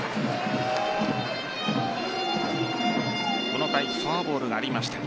この回フォアボールがありました。